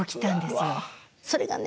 それがね